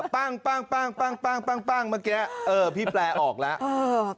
ป่างป่างป่างเมื่อกี้พี่แปลออกแล้ว